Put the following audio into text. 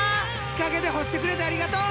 日陰で干してくれてありがとう！